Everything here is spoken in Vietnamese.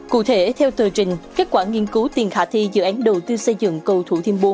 cụ thể theo tờ trình kết quả nghiên cứu tiền khả thi dự án đầu tư xây dựng cầu thủ thiêm bốn